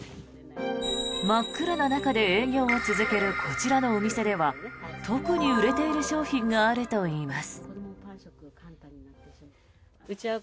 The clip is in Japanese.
真っ黒な中で営業を続けるこちらのお店では特に売れている商品があるといいます。